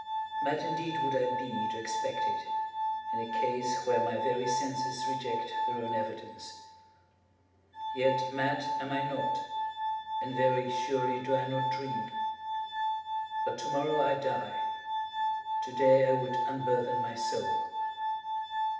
Mad indeed would I be to expect it, in a case where my very senses reject their own evidence. Yet, mad am I not—and very surely do I not dream. But to morrow I die, and to day I would unburthen my soul.